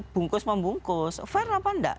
bungkus membungkus fair apa enggak